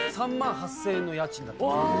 ３万８０００円の家賃だったんです。